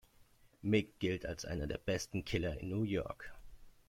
Mick gilt als einer der besten Killer in New York.